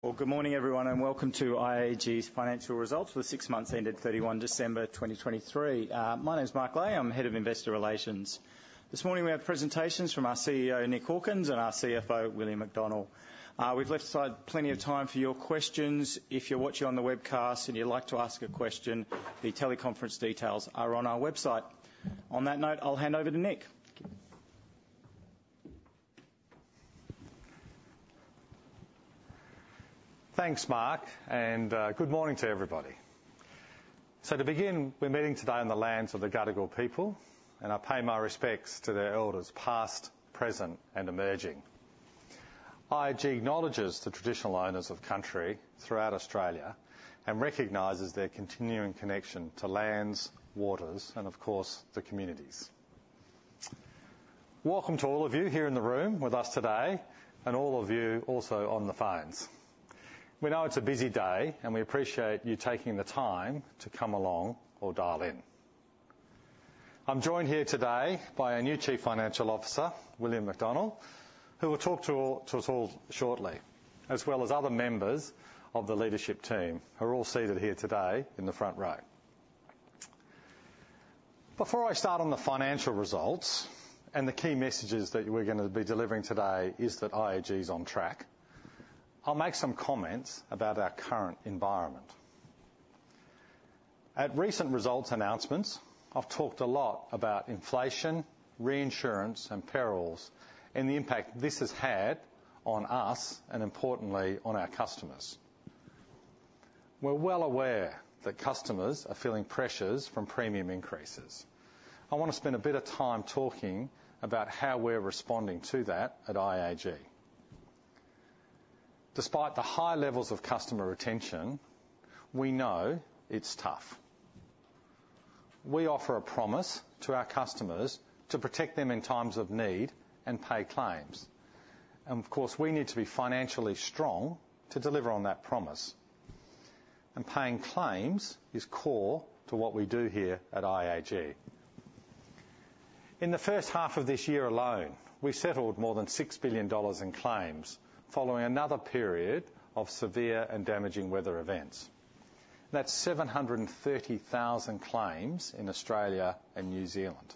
Well, good morning, everyone, and welcome to IAG's financial results for the six months ending 31 December 2023. My name is Mark Ley. I'm Head of Investor Relations. This morning we have presentations from our CEO, Nick Hawkins, and our CFO, William McDonnell. We've left aside plenty of time for your questions. If you're watching on the webcast and you'd like to ask a question, the teleconference details are on our website. On that note, I'll hand over to Nick. Thanks, Mark, and good morning to everybody. So to begin, we're meeting today on the lands of the Gadigal people, and I pay my respects to their elders, past, present, and emerging. IAG acknowledges the traditional owners of country throughout Australia and recognizes their continuing connection to lands, waters, and of course, the communities. Welcome to all of you here in the room with us today, and all of you also on the phones. We know it's a busy day, and we appreciate you taking the time to come along or dial in. I'm joined here today by our new Chief Financial Officer, William McDonnell, who will talk to us all shortly, as well as other members of the leadership team, who are all seated here today in the front row. Before I start on the financial results, and the key messages that we're gonna be delivering today is that IAG is on track, I'll make some comments about our current environment. At recent results announcements, I've talked a lot about inflation, reinsurance, and perils, and the impact this has had on us and importantly, on our customers. We're well aware that customers are feeling pressures from premium increases. I wanna spend a bit of time talking about how we're responding to that at IAG. Despite the high levels of customer retention, we know it's tough. We offer a promise to our customers to protect them in times of need and pay claims. Of course, we need to be financially strong to deliver on that promise, and paying claims is core to what we do here at IAG. In the first half of this year alone, we settled more than 6 billion dollars in claims, following another period of severe and damaging weather events. That's 730,000 claims in Australia and New Zealand.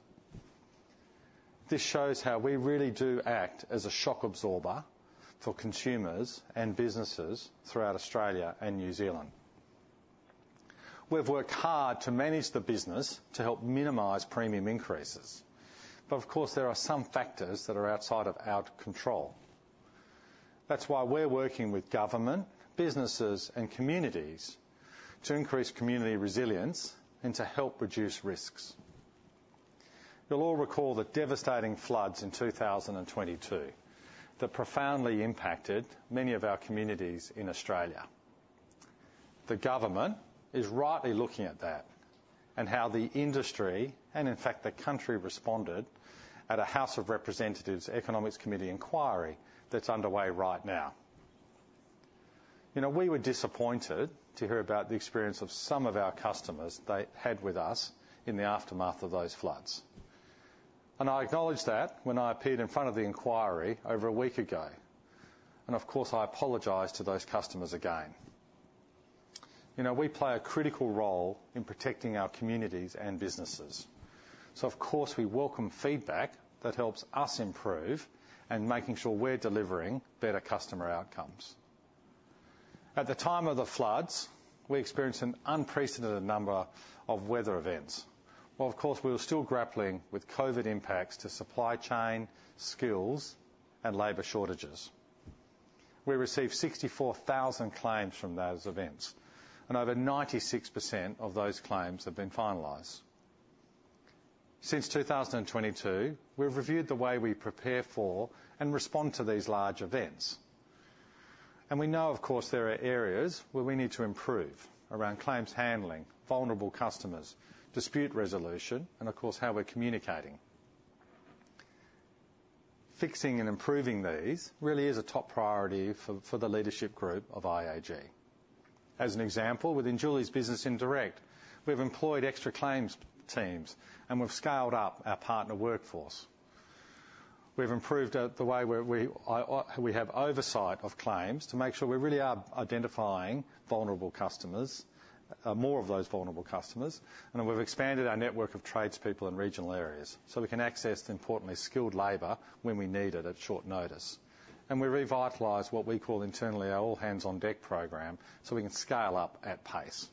This shows how we really do act as a shock absorber for consumers and businesses throughout Australia and New Zealand. We've worked hard to manage the business to help minimize premium increases, but of course, there are some factors that are outside of our control. That's why we're working with government, businesses, and communities to increase community resilience and to help reduce risks. You'll all recall the devastating floods in 2022 that profoundly impacted many of our communities in Australia. The government is rightly looking at that and how the industry, and in fact, the country responded at a House of Representatives Economics Committee inquiry that's underway right now. You know, we were disappointed to hear about the experience of some of our customers they had with us in the aftermath of those floods, and I acknowledged that when I appeared in front of the inquiry over a week ago, and of course, I apologize to those customers again. You know, we play a critical role in protecting our communities and businesses. So of course, we welcome feedback that helps us improve and making sure we're delivering better customer outcomes. At the time of the floods, we experienced an unprecedented number of weather events, while of course, we were still grappling with COVID impacts to supply chain, skills, and labor shortages. We received 64,000 claims from those events, and over 96% of those claims have been finalized. Since 2022, we've reviewed the way we prepare for and respond to these large events, and we know, of course, there are areas where we need to improve around claims handling, vulnerable customers, dispute resolution, and of course, how we're communicating. Fixing and improving these really is a top priority for the leadership group of IAG. As an example, within Julie's business in Direct, we've employed extra claims teams, and we've scaled up our partner workforce. We've improved at the way we have oversight of claims to make sure we really are identifying vulnerable customers more of those vulnerable customers, and we've expanded our network of tradespeople in regional areas, so we can access, importantly, skilled labor when we need it at short notice. We revitalized what we call internally our All Hands on Deck program, so we can scale up at pace.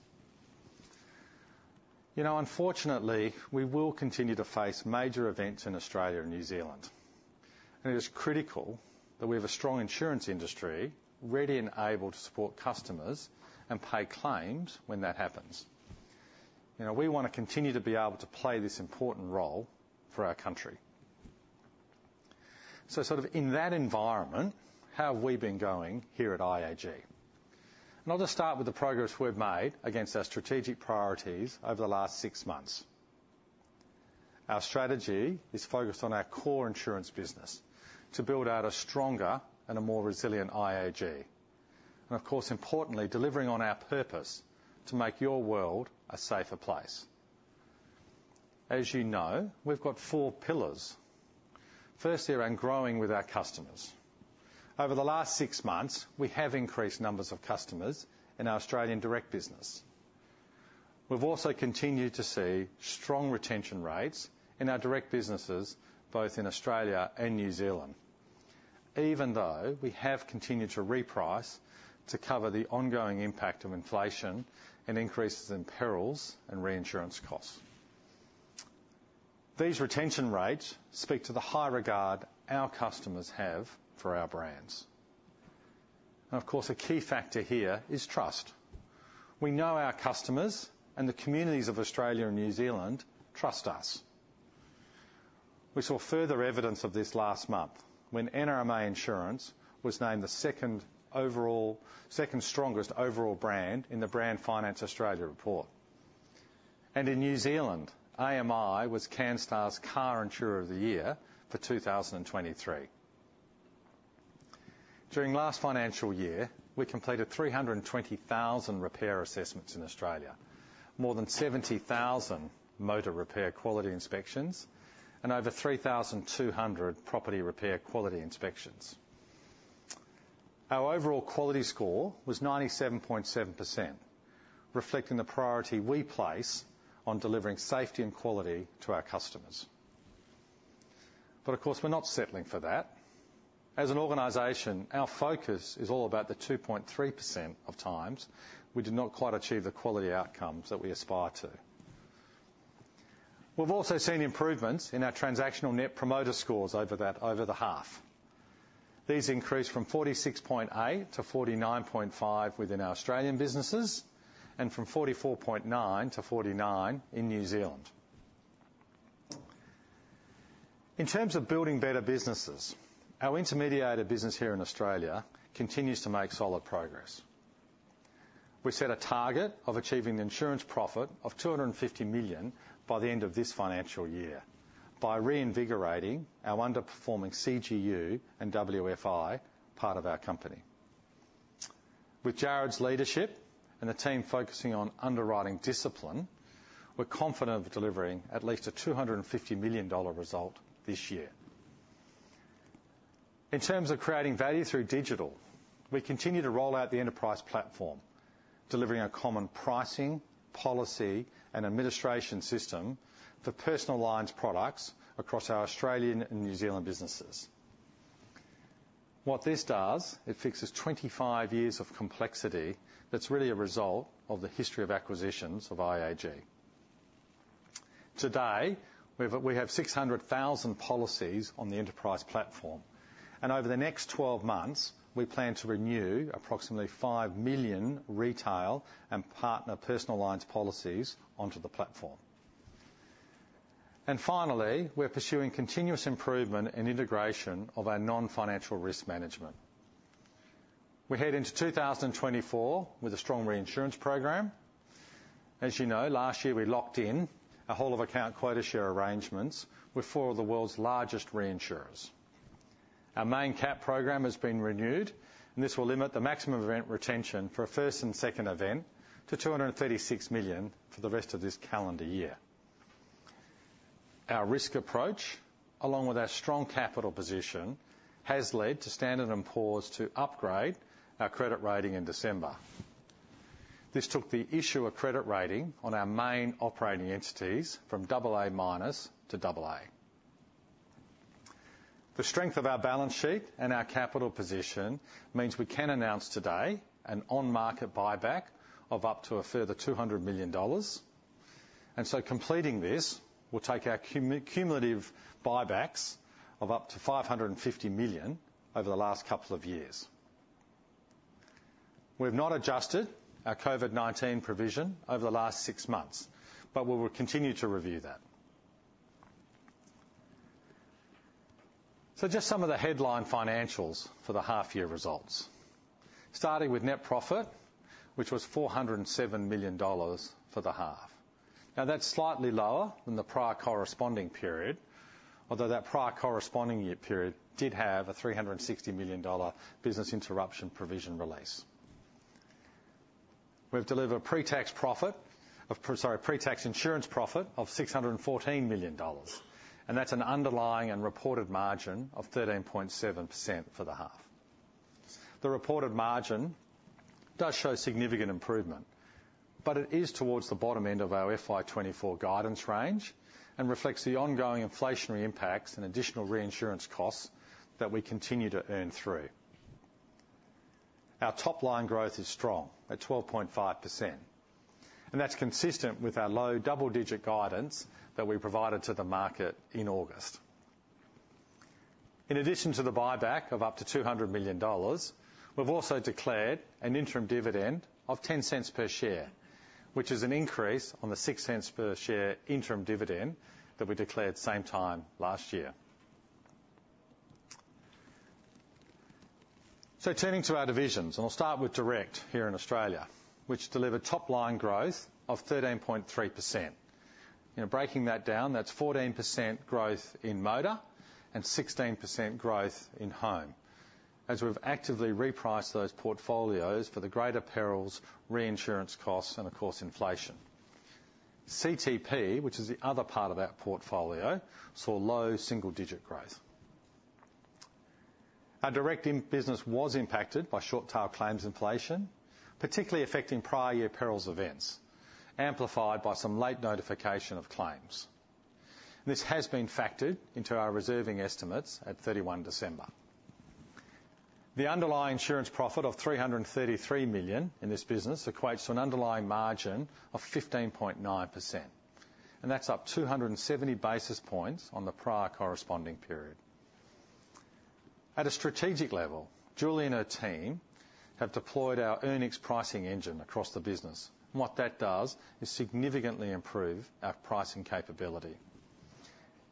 You know, unfortunately, we will continue to face major events in Australia and New Zealand, and it is critical that we have a strong insurance industry, ready and able to support customers and pay claims when that happens. You know, we wanna continue to be able to play this important role for our country. So sort of in that environment, how have we been going here at IAG? And I'll just start with the progress we've made against our strategic priorities over the last six months. Our strategy is focused on our core insurance business to build out a stronger and a more resilient IAG, and of course, importantly, delivering on our purpose to make your world a safer place... as you know, we've got four pillars. First, they're around growing with our customers. Over the last six months, we have increased numbers of customers in our Australian direct business. We've also continued to see strong retention rates in our direct businesses, both in Australia and New Zealand, even though we have continued to reprice to cover the ongoing impact of inflation and increases in perils and reinsurance costs. These retention rates speak to the high regard our customers have for our brands. And of course, a key factor here is trust. We know our customers and the communities of Australia and New Zealand trust us. We saw further evidence of this last month when NRMA Insurance was named the second overall, second strongest overall brand in the Brand Finance Australia report. And in New Zealand, AMI was Canstar's Car Insurer of the Year for 2023. During last financial year, we completed 320,000 repair assessments in Australia, more than 70,000 motor repair quality inspections, and over 3,200 property repair quality inspections. Our overall quality score was 97.7%, reflecting the priority we place on delivering safety and quality to our customers. But of course, we're not settling for that. As an organization, our focus is all about the 2.3% of times we did not quite achieve the quality outcomes that we aspire to. We've also seen improvements in our transactional net promoter scores over that, over the half. These increased from 46.8-49.5 within our Australian businesses, and from 44.9-49 in New Zealand. In terms of building better businesses, our intermediated business here in Australia continues to make solid progress. We set a target of achieving the insurance profit of 250 million by the end of this financial year by reinvigorating our underperforming CGU and WFI part of our company. With Jarrod's leadership and the team focusing on underwriting discipline, we're confident of delivering at least a 250 million-dollar result this year. In terms of creating value through digital, we continue to roll out the Enterprise Platform, delivering a common pricing, policy, and administration system for personal lines products across our Australian and New Zealand businesses. What this does, it fixes 25 years of complexity that's really a result of the history of acquisitions of IAG. Today, we have 600,000 policies on the Enterprise Platform, and over the next 12 months, we plan to renew approximately five million retail and partner personal lines policies onto the platform. Finally, we're pursuing continuous improvement and integration of our non-financial risk management. We head into 2024 with a strong reinsurance program. As you know, last year we locked in a whole of account quota share arrangements with four of the world's largest reinsurers. Our main CAT program has been renewed, and this will limit the maximum event retention for a first and second event to 236 million for the rest of this calendar year. Our risk approach, along with our strong capital position, has led to Standard & Poor's to upgrade our credit rating in December. This took the issuer credit rating on our main operating entities from double A minus to double A. The strength of our balance sheet and our capital position means we can announce today an on-market buyback of up to a further 200 million dollars, and so completing this will take our cumulative buybacks of up to 550 million over the last couple of years. We've not adjusted our COVID-19 provision over the last six months, but we will continue to review that. So just some of the headline financials for the half year results. Starting with net profit, which was 407 million dollars for the half. Now, that's slightly lower than the prior corresponding period, although that prior corresponding year period did have a 360 million dollar business interruption provision release. We've delivered a pre-tax profit of, Sorry, pre-tax insurance profit of 614 million dollars, and that's an underlying and reported margin of 13.7% for the half. The reported margin does show significant improvement, but it is towards the bottom end of our FY 2024 guidance range and reflects the ongoing inflationary impacts and additional reinsurance costs that we continue to earn through. Our top line growth is strong, at 12.5%, and that's consistent with our low double-digit guidance that we provided to the market in August. In addition to the buyback of up to 200 million dollars, we've also declared an interim dividend of 0.10 per share, which is an increase on the 0.06 per share interim dividend that we declared same time last year. So turning to our divisions, and I'll start with Direct here in Australia, which delivered top-line growth of 13.3%. You know, breaking that down, that's 14% growth in motor and 16% growth in home. As we've actively repriced those portfolios for the greater perils, reinsurance costs, and of course, inflation. CTP, which is the other part of our portfolio, saw low single-digit growth. Our direct in business was impacted by short-tail claims inflation, particularly affecting prior year perils events, amplified by some late notification of claims. This has been factored into our reserving estimates at 31 December. The underlying insurance profit of 333 million in this business equates to an underlying margin of 15.9%, and that's up 270 basis points on the prior corresponding period. At a strategic level, Julie and her team have deployed our Earnix pricing engine across the business, and what that does is significantly improve our pricing capability.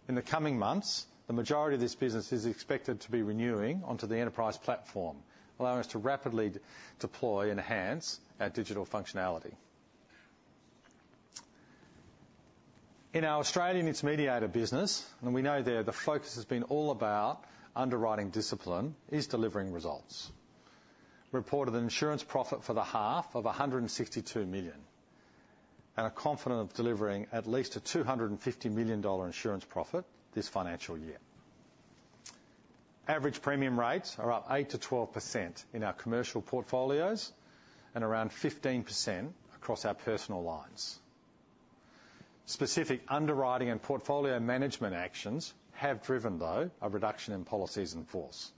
In the coming months, the majority of this business is expected to be renewing onto the Enterprise platform, allowing us to rapidly deploy and enhance our digital functionality. In our Australian intermediated business, and we know there, the focus has been all about underwriting discipline, is delivering results. Reported an insurance profit for the half of 162 million, and are confident of delivering at least 250 million dollar insurance profit this financial year. Average premium rates are up 8%-12% in our commercial portfolios and around 15% across our personal lines. Specific underwriting and portfolio management actions have driven, though, a reduction in policies in force,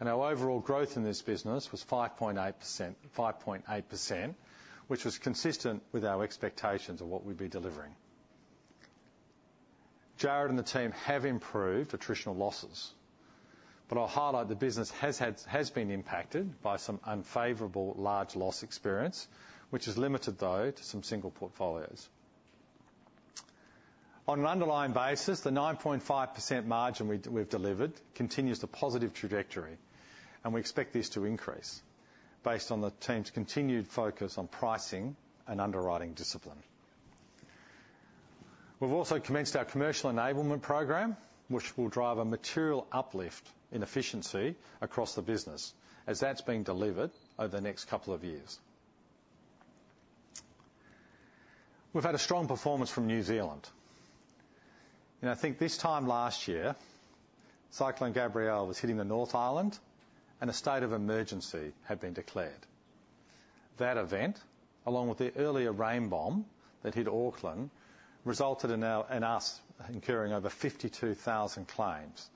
and our overall growth in this business was 5.8%, 5.8%, which was consistent with our expectations of what we'd be delivering. Jarrod and the team have improved attritional losses, but I'll highlight the business has been impacted by some unfavorable large loss experience, which is limited, though, to some single portfolios. On an underlying basis, the 9.5% margin we've delivered continues the positive trajectory, and we expect this to increase based on the team's continued focus on pricing and underwriting discipline. We've also commenced our Commercial Enablement program, which will drive a material uplift in efficiency across the business as that's being delivered over the next couple of years. We've had a strong performance from New Zealand, and I think this time last year, Cyclone Gabrielle was hitting the North Island, and a state of emergency had been declared. That event, along with the earlier rain bomb that hit Auckland, resulted in us incurring over 52,000 claims,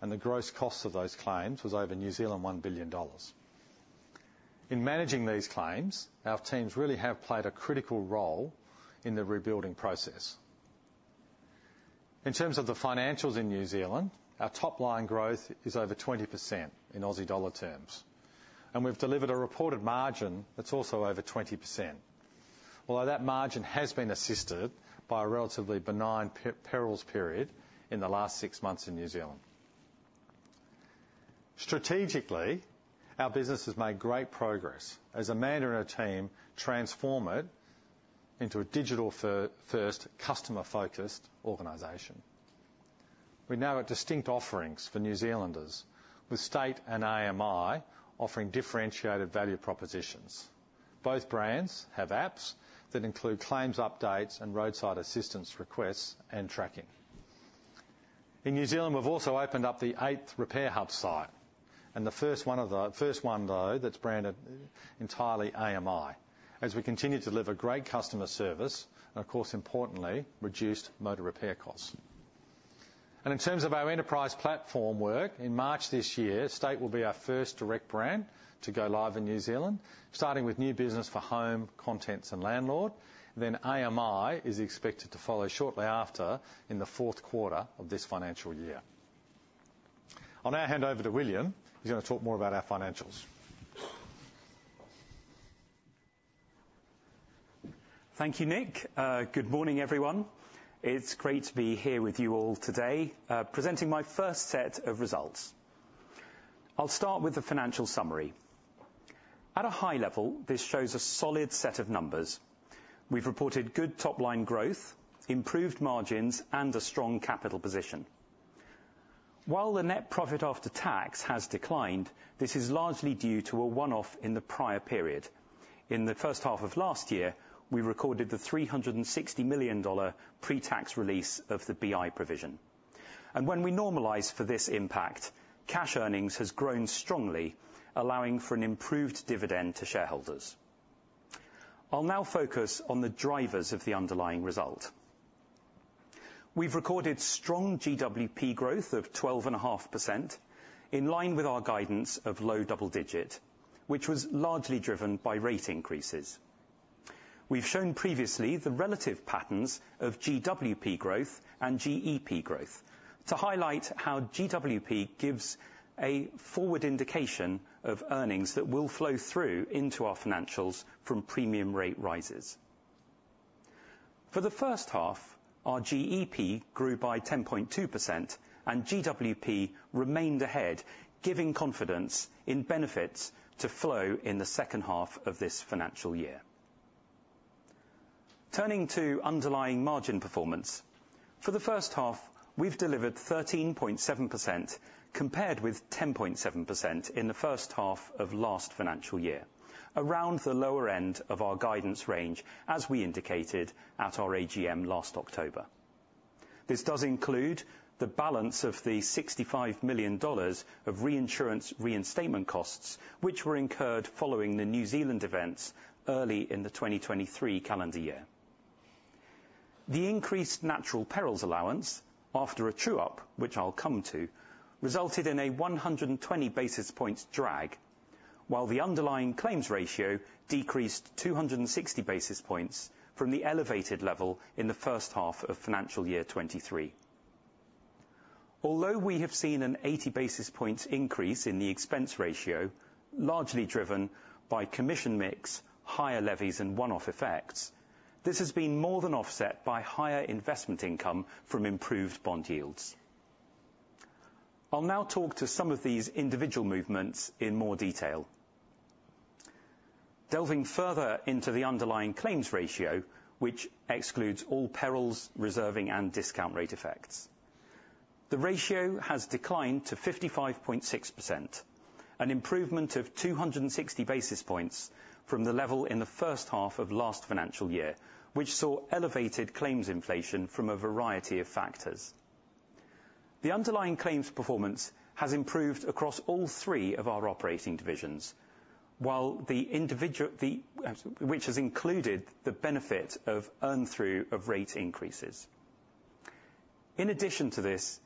and the gross cost of those claims was over 1 billion New Zealand dollars. In managing these claims, our teams really have played a critical role in the rebuilding process. In terms of the financials in New Zealand, our top-line growth is over 20% in Aussie dollar terms, and we've delivered a reported margin that's also over 20%, although that margin has been assisted by a relatively benign perils period in the last six months in New Zealand. Strategically, our business has made great progress as Amanda and her team transform it into a digital first, customer-focused organization. We now have distinct offerings for New Zealanders, with State and AMI offering differentiated value propositions. Both brands have apps that include claims updates, and roadside assistance requests, and tracking. In New Zealand, we've also opened up the eighth Repair Hub site, and the first one, though, that's branded entirely AMI, as we continue to deliver great customer service and of course, importantly, reduced motor repair costs. In terms of our Enterprise platform work, in March this year, State will be our first direct brand to go live in New Zealand, starting with new business for home, contents, and landlord. Then AMI is expected to follow shortly after in the fourth quarter of this financial year. I'll now hand over to William, who's gonna talk more about our financials. Thank you, Nick. Good morning, everyone. It's great to be here with you all today, presenting my first set of results. I'll start with the financial summary. At a high level, this shows a solid set of numbers. We've reported good top-line growth, improved margins, and a strong capital position. While the net profit after tax has declined, this is largely due to a one-off in the prior period. In the first half of last year, we recorded the 360 million dollar pre-tax release of the BI provision. When we normalize for this impact, cash earnings has grown strongly, allowing for an improved dividend to shareholders. I'll now focus on the drivers of the underlying result. We've recorded strong GWP growth of 12.5%, in line with our guidance of low double digit, which was largely driven by rate increases. We've shown previously the relative patterns of GWP growth and GEP growth to highlight how GWP gives a forward indication of earnings that will flow through into our financials from premium rate rises. For the first half, our GEP grew by 10.2%, and GWP remained ahead, giving confidence in benefits to flow in the second half of this financial year. Turning to underlying margin performance. For the first half, we've delivered 13.7%, compared with 10.7% in the first half of last financial year, around the lower end of our guidance range, as we indicated at our AGM last October. This does include the balance of the 65 million dollars of reinsurance reinstatement costs, which were incurred following the New Zealand events early in the 2023 calendar year. The increased natural perils allowance, after a true-up, which I'll come to, resulted in a 120 basis points drag, while the underlying claims ratio decreased 260 basis points from the elevated level in the first half of financial year 2023. Although we have seen an 80 basis points increase in the expense ratio, largely driven by commission mix, higher levies, and one-off effects, this has been more than offset by higher investment income from improved bond yields. I'll now talk to some of these individual movements in more detail. Delving further into the underlying claims ratio, which excludes all perils, reserving, and discount rate effects. The ratio has declined to 55.6%, an improvement of 260 basis points from the level in the first half of last financial year, which saw elevated claims inflation from a variety of factors. The underlying claims performance has improved across all three of our operating divisions, while the individual, which has included the benefit of earn through of rate increases. In addition to this,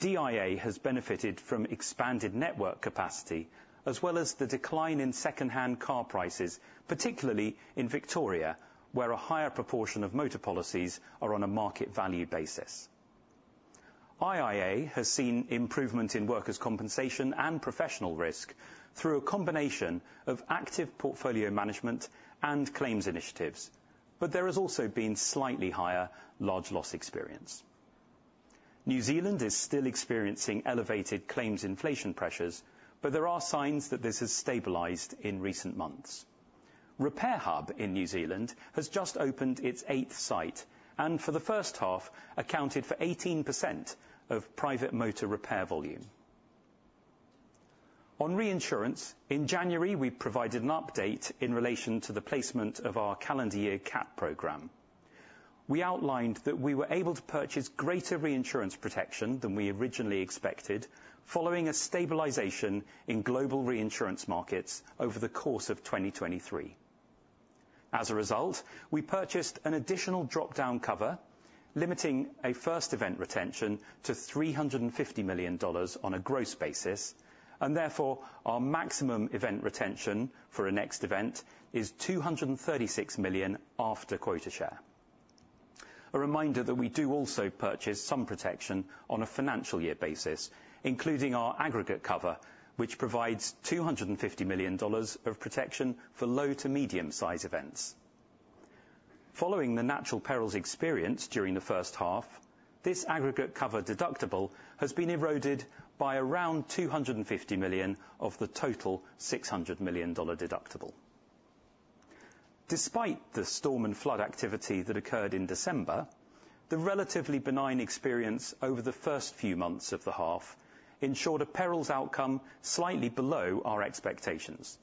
DIA has benefited from expanded network capacity, as well as the decline in secondhand car prices, particularly in Victoria, where a higher proportion of motor policies are on a market value basis. IIA has seen improvement in workers' compensation and professional risk through a combination of active portfolio management and claims initiatives, but there has also been slightly higher large loss experience. New Zealand is still experiencing elevated claims inflation pressures, but there are signs that this has stabilized in recent months. Repair Hub in New Zealand has just opened its eighth site, and for the first half, accounted for 18% of private motor repair volume. On reinsurance, in January, we provided an update in relation to the placement of our calendar year CAT program. We outlined that we were able to purchase greater reinsurance protection than we originally expected, following a stabilization in global reinsurance markets over the course of 2023. As a result, we purchased an additional drop-down cover, limiting a first event retention to 350 million dollars on a gross basis, and therefore, our maximum event retention for a next event is 236 million after quota share. A reminder that we do also purchase some protection on a financial year basis, including our aggregate cover, which provides 250 million dollars of protection for low to medium-size events. Following the natural perils experienced during the first half, this aggregate cover deductible has been eroded by around 250 million of the total 600 million dollar deductible. Despite the storm and flood activity that occurred in December, the relatively benign experience over the first few months of the half ensured a perils outcome slightly below our expectations.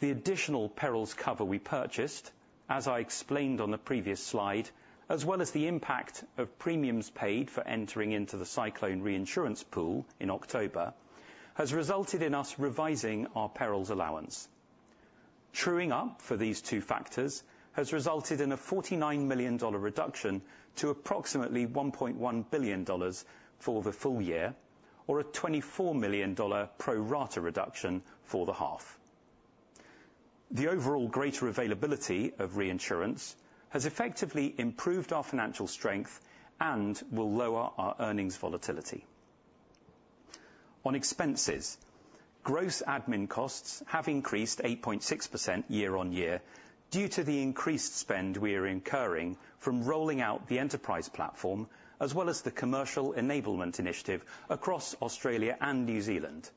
The additional perils cover we purchased, as I explained on the previous slide, as well as the impact of premiums paid for entering into the Cyclone Reinsurance Pool in October, has resulted in us revising our perils allowance. Truing up for these two factors has resulted in a 49 million dollar reduction to approximately 1.1 billion dollars for the full year, or a 24 million dollar pro rata reduction for the half. The overall greater availability of reinsurance has effectively improved our financial strength and will lower our earnings volatility. On expenses, gross admin costs have increased 8.6% year-on-year due to the increased spend we are incurring from rolling out the enterprise platform, as well as the commercial enablement initiative across Australia and New Zealand,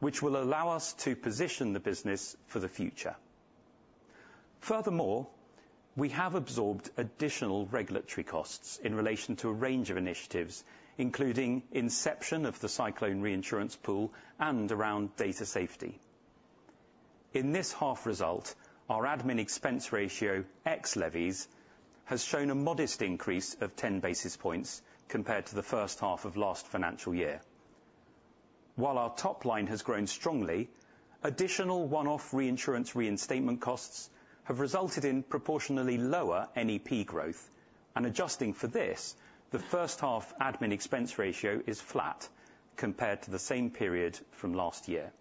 which will allow us to position the business for the future. Furthermore, we have absorbed additional regulatory costs in relation to a range of initiatives, including inception of the Cyclone Reinsurance Pool and around data safety. In this half result, our admin expense ratio, ex levies, has shown a modest increase of 10 basis points compared to the first half of last financial year. While our top line has grown strongly, additional one-off reinsurance reinstatement costs have resulted in proportionally lower NEP growth, and adjusting for this, the first half admin expense ratio is flat compared to the same period from last year.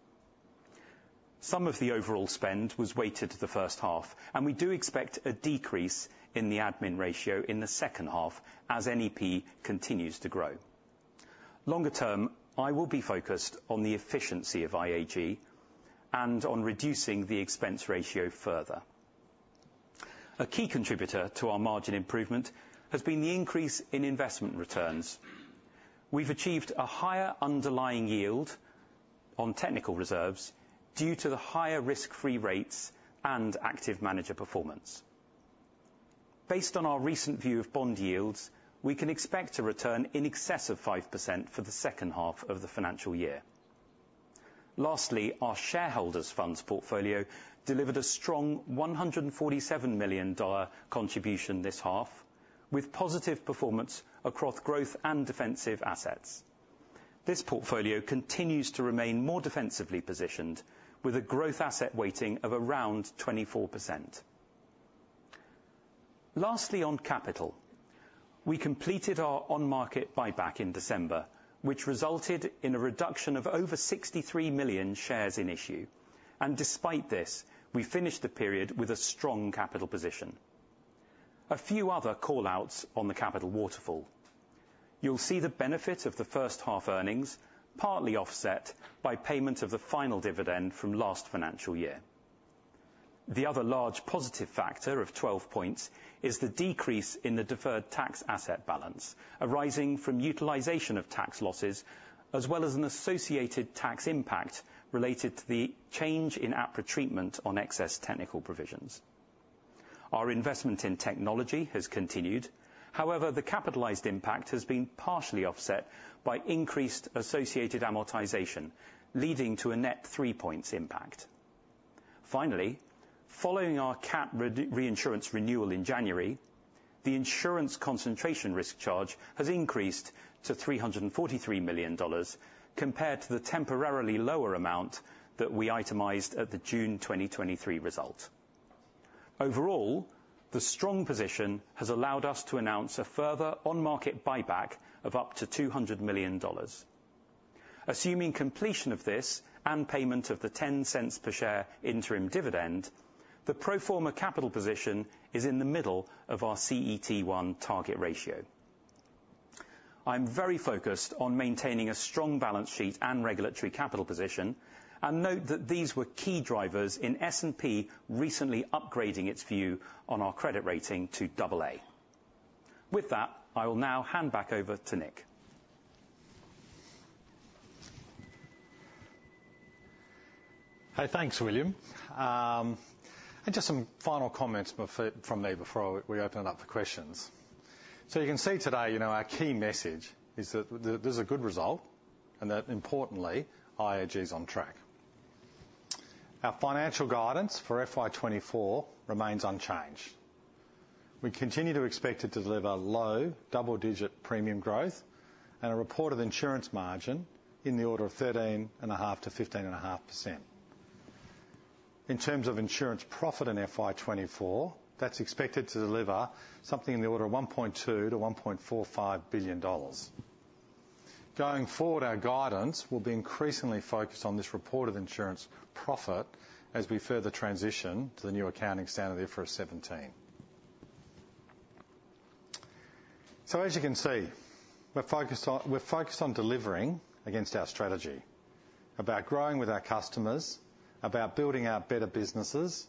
Some of the overall spend was weighted to the first half, and we do expect a decrease in the admin ratio in the second half as NEP continues to grow. Longer term, I will be focused on the efficiency of IAG and on reducing the expense ratio further. A key contributor to our margin improvement has been the increase in investment returns. We've achieved a higher underlying yield on technical reserves due to the higher risk-free rates and active manager performance. Based on our recent view of bond yields, we can expect to return in excess of 5% for the second half of the financial year. Lastly, our shareholders' funds portfolio delivered a strong 147 million dollar contribution this half, with positive performance across growth and defensive assets. This portfolio continues to remain more defensively positioned, with a growth asset weighting of around 24%. Lastly, on capital, we completed our on-market buyback in December, which resulted in a reduction of over 63 million shares in issue. And despite this, we finished the period with a strong capital position. A few other call-outs on the capital waterfall. You'll see the benefit of the first half earnings, partly offset by payment of the final dividend from last financial year. The other large positive factor of 12 points is the decrease in the deferred tax asset balance, arising from utilization of tax losses, as well as an associated tax impact related to the change in APRA treatment on excess technical provisions. Our investment in technology has continued, however, the capitalized impact has been partially offset by increased associated amortization, leading to a net three points impact. Finally, following our cat reinsurance renewal in January, the insurance concentration risk charge has increased to 343 million dollars, compared to the temporarily lower amount that we itemized at the June 2023 result. Overall, the strong position has allowed us to announce a further on-market buyback of up to 200 million dollars. Assuming completion of this and payment of the 0.10 per share interim dividend, the pro forma capital position is in the middle of our CET1 target ratio. I'm very focused on maintaining a strong balance sheet and regulatory capital position, and note that these were key drivers in S&P recently upgrading its view on our credit rating to double A. With that, I will now hand back over to Nick. Hey, thanks, William. And just some final comments from me before we open it up for questions. So you can see today, you know, our key message is that there's a good result, and that importantly, IAG is on track. Our financial guidance for FY 2024 remains unchanged. We continue to expect it to deliver low double-digit premium growth and a reported insurance margin in the order of 13.5%-15.5%. In terms of insurance profit in FY 2024, that's expected to deliver something in the order of 1.2 billion-1.45 billion dollars. Going forward, our guidance will be increasingly focused on this reported insurance profit as we further transition to the new accounting standard, IFRS 17. So as you can see, we're focused on delivering against our strategy, about growing with our customers, about building our better businesses,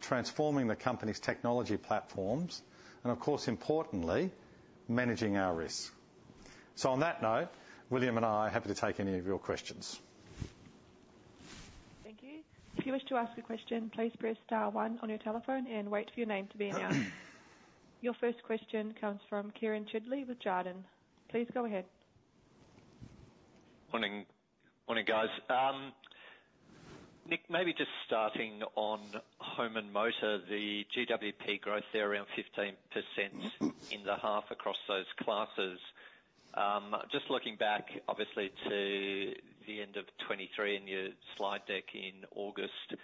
transforming the company's technology platforms, and of course, importantly, managing our risk. So on that note, William and I are happy to take any of your questions. Thank you. If you wish to ask a question, please press star one on your telephone and wait for your name to be announced. Your first question comes from Kieren Chidley with Jarden. Please go ahead. Morning. Morning, guys. Nick, maybe just starting on home and motor, the GWP growth there around 15% in the half across those classe, just looking back, obviously, to the end of 2023 in your slide deck in August,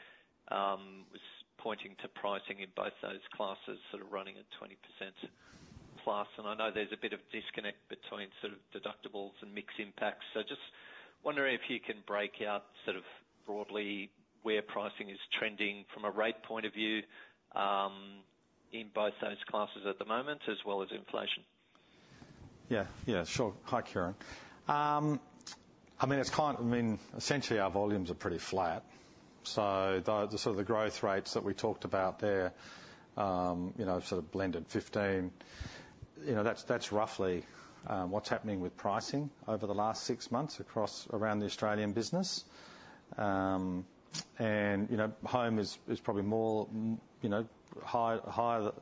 was pointing to pricing in both those classes sort of running at 20%+. And I know there's a bit of disconnect between sort of deductibles and mix impacts. So just wondering if you can break out sort of broadly where pricing is trending from a rate point of view, in both those classes at the moment, as well as inflation. Yeah, yeah, sure. Hi, Kieren. I mean, essentially, our volumes are pretty flat, so the sort of growth rates that we talked about there, you know, sort of blended 15, you know, that's roughly what's happening with pricing over the last six months across the Australian business. And, you know, home is probably more, you know, higher than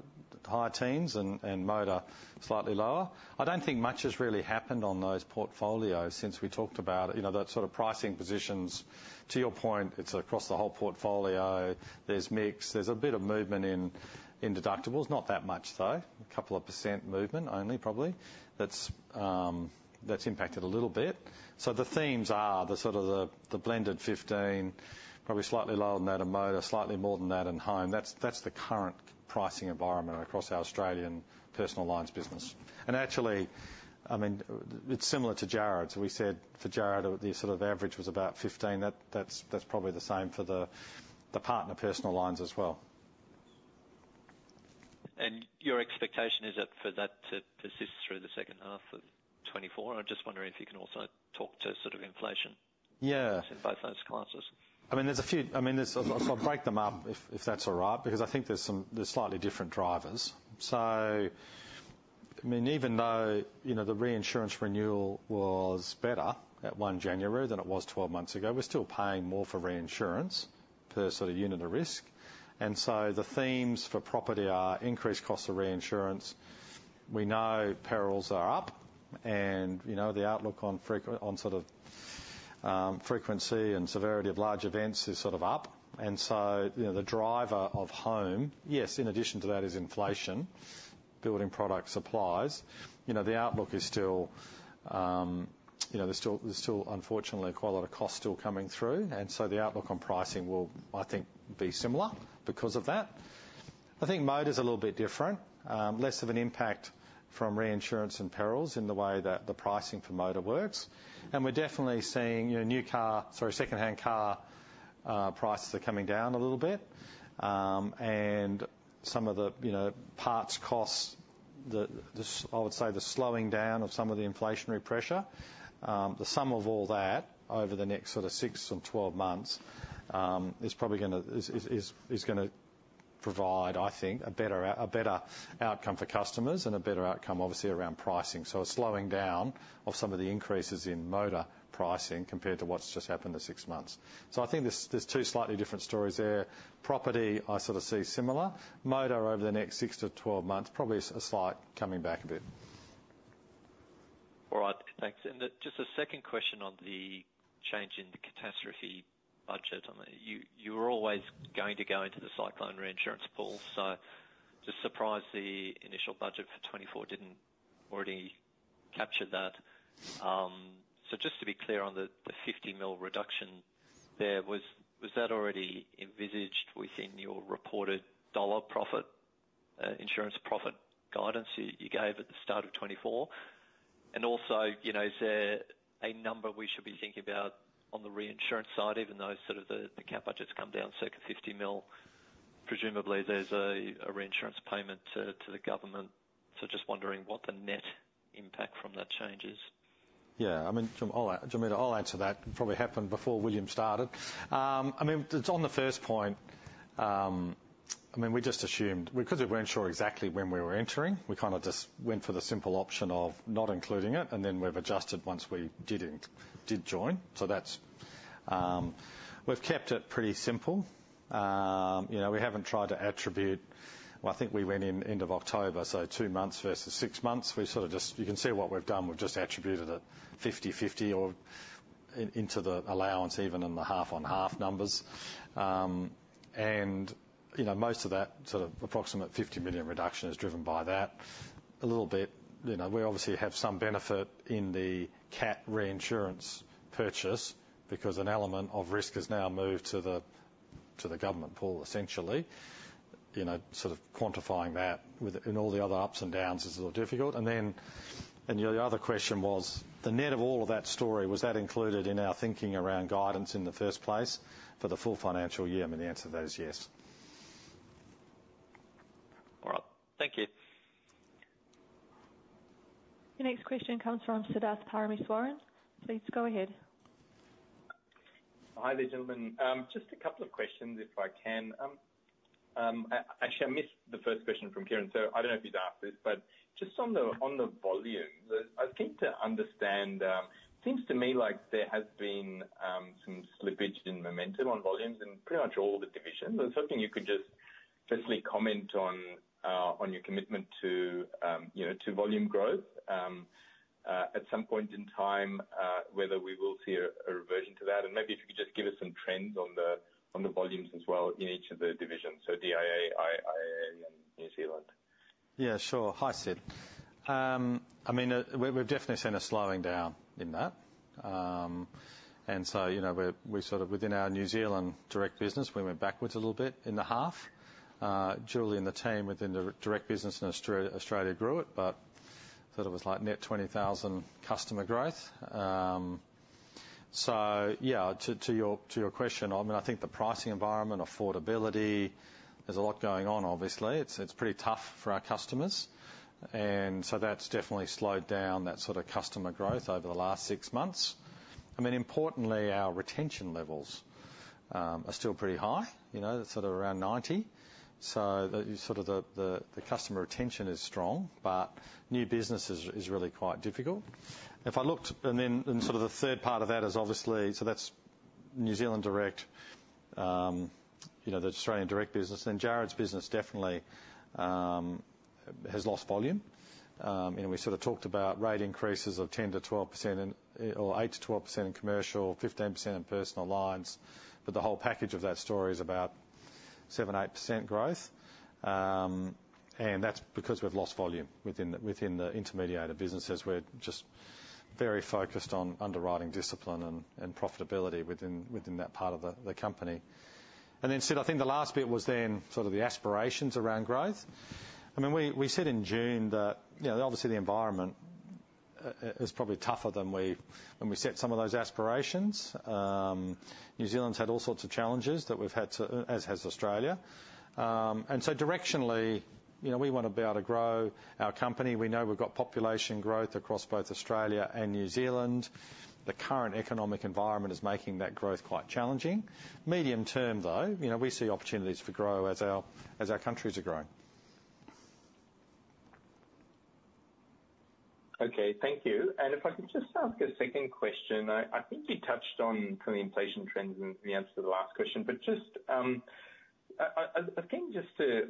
high teens and motor, slightly lower. I don't think much has really happened on those portfolios since we talked about it. You know, that sort of pricing positions, to your point, it's across the whole portfolio. There's mix, there's a bit of movement in deductibles. Not that much, though. A couple of % movement only, probably. That's impacted a little bit. So the themes are the sort of the blended 15, probably slightly lower than that in motor, slightly more than that in home. That's the current pricing environment across our Australian personal lines business. And actually, I mean, it's similar to Jarrod's. We said for Jarrod, the sort of average was about 15. That's probably the same for the partner personal lines as well. Your expectation is that for that to persist through the second half of 2024? I'm just wondering if you can also talk to sort of inflation. Yeah. In both those classes. I mean, there's a few. I mean, there's, so I'll break them up, if that's all right, because I think there's some slightly different drivers. So, I mean, even though, you know, the reinsurance renewal was better at 1 January than it was 12 months ago, we're still paying more for reinsurance per sort of unit of risk. And so the themes for property are increased costs of reinsurance. We know perils are up, and, you know, the outlook on frequency and severity of large events is sort of up. And so, you know, the driver of home, yes, in addition to that, is inflation, building product supplies. You know, the outlook is still, you know, there's still, unfortunately, quite a lot of cost still coming through, and so the outlook on pricing will, I think, be similar because of that. I think motor's a little bit different. Less of an impact from reinsurance and perils in the way that the pricing for motor works. And we're definitely seeing, you know, new car or secondhand car, prices are coming down a little bit. And some of the, you know, parts costs, the, I would say, the slowing down of some of the inflationary pressure. The sum of all that over the next sort of six and 12 months, is probably gonna provide, I think, a better outcome for customers and a better outcome, obviously, around pricing. So a slowing down of some of the increases in motor pricing compared to what's just happened the six months. So I think there's two slightly different stories there. Property, I sort of see similar. Motor, over the next 6-12 months, probably a slight coming back a bit. All right, thanks. And just a second question on the change in the catastrophe budget. You were always going to go into the Cyclone reinsurance pool, so just surprised the initial budget for 2024 didn't already capture that. So just to be clear on the 50 million reduction there, was that already envisaged within your reported dollar profit, insurance profit guidance you gave at the start of 2024? And also, you know, is there a number we should be thinking about on the reinsurance side, even though sort of the cap budget's come down circa 50 million, presumably there's a reinsurance payment to the government. So just wondering what the net impact from that change is. Yeah, I mean, I'll answer that. It probably happened before William started. I mean, it's on the first point, I mean, we just assumed, because we weren't sure exactly when we were entering, we kind of just went for the simple option of not including it, and then we've adjusted once we did join. So that's, we've kept it pretty simple. You know, we haven't tried to attribute. Well, I think we went in end of October, so two months versus six months. We sort of just, you can see what we've done. We've just attributed it 50/50 or into the allowance, even in the half-on-half numbers. And, you know, most of that, sort of, approximate 50 million reduction is driven by that a little bit. You know, we obviously have some benefit in the cat reinsurance purchase, because an element of risk is now moved to the government pool, essentially. You know, sort of quantifying that with in all the other ups and downs is a little difficult. And then, your other question was, the net of all of that story, was that included in our thinking around guidance in the first place for the full financial year? I mean, the answer to that is yes. All right, thank you. The next question comes from Siddharth Parameswaran. Please go ahead. Hi there, gentlemen. Just a couple of questions, if I can. Actually, I missed the first question from Kieren, so I don't know if you'd asked this, but just on the, on the volumes, I think to understand, it seems to me like there has been, some slippage in momentum on volumes in pretty much all the divisions. I was hoping you could just firstly comment on, on your commitment to, you know, to volume growth, at some point in time, whether we will see a, a reversion to that, and maybe if you could just give us some trends on the, on the volumes as well in each of the divisions, so DIA, IIA and New Zealand. Yeah, sure. Hi, Sid. I mean, we've definitely seen a slowing down in that. And so, you know, we sort of within our New Zealand direct business, we went backwards a little bit in the half. Julie and the team within the direct business in Australia grew it, but thought it was like net 20,000 customer growth. So yeah, to your question, I mean, I think the pricing environment, affordability, there's a lot going on obviously. It's pretty tough for our customers, and so that's definitely slowed down that sort of customer growth over the last six months. I mean, importantly, our retention levels are still pretty high, you know, sort of around 90. So the sort of customer retention is strong, but new business is really quite difficult. If I looked... And then sort of the third part of that is obviously, so that's New Zealand direct, you know, the Australian direct business, then Jarrod's business definitely has lost volume. And we sort of talked about rate increases of 10%-12%, or 8%-12% in commercial, 15% in personal lines, but the whole package of that story is about 7%-8% growth. And that's because we've lost volume within the, within the intermediated businesses. We're just very focused on underwriting discipline and profitability within, within that part of the company. And then, Sid, I think the last bit was then sort of the aspirations around growth. I mean, we said in June that, you know, obviously the environment is probably tougher than we, when we set some of those aspirations. New Zealand's had all sorts of challenges that we've had to, as has Australia. And so directionally, you know, we want to be able to grow our company. We know we've got population growth across both Australia and New Zealand. The current economic environment is making that growth quite challenging. Medium term, though, you know, we see opportunities to grow as our, as our countries are growing. Okay, thank you. And if I could just ask a second question. I think you touched on kind of inflation trends in the answer to the last question, but just, again, just to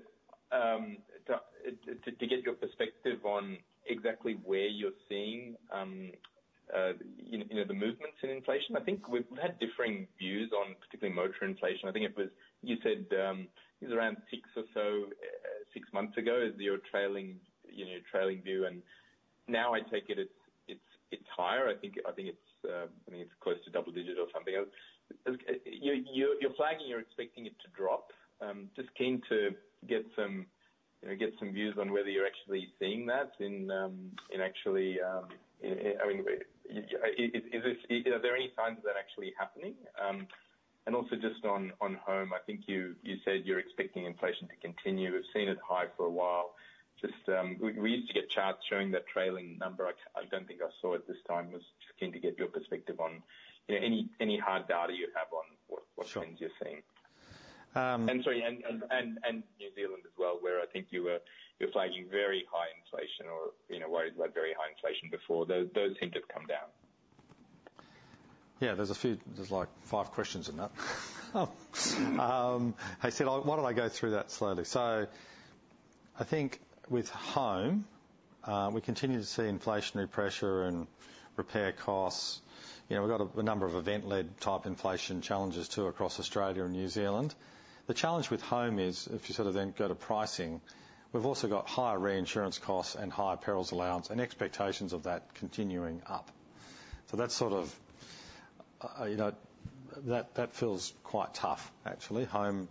get your perspective on exactly where you're seeing, you know, the movements in inflation. I think we've had differing views on, particularly motor inflation. I think it was, you said, it was around six or so, six months ago, is your trailing, you know, trailing view, and now I take it, it's higher. I think it's, I mean, it's close to double digit or something. You're flagging, you're expecting it to drop. Just keen to get some, you know, get some views on whether you're actually seeing that in, actually, I mean, is this, are there any signs of that actually happening? And also just on home, I think you said you're expecting inflation to continue. We've seen it high for a while. Just, we used to get charts showing that trailing number. I don't think I saw it this time. Was just keen to get your perspective on, you know, any hard data you have on what- Sure. things you're seeing. Um. And sorry, New Zealand as well, where I think you were flagging very high inflation or, you know, worried about very high inflation before. Those seem to have come down. Yeah, there's a few, there's, like, five questions in that. I said, why don't I go through that slowly? So I think with home, we continue to see inflationary pressure and repair costs. You know, we've got a number of event-led type inflation challenges, too, across Australia and New Zealand. The challenge with home is, if you sort of then go to pricing, we've also got higher reinsurance costs and higher perils allowance and expectations of that continuing up. So that's sort of, you know, that, that feels quite tough, actually. Home,